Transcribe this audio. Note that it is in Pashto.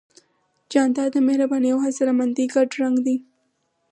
جانداد د مهربانۍ او حوصلهمندۍ ګډ رنګ دی.